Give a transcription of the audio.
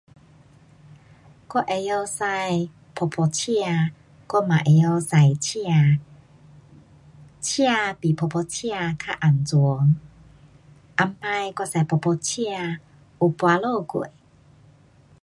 我会驾噗噗车，我嘛也会驾车。车比噗噗车较安全。以前我驾噗噗车有跌倒过。